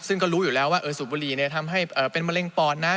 ซึ่งก็รู้อยู่แล้วว่าสูบบุหรี่ทำให้เป็นมะเร็งปอดนะ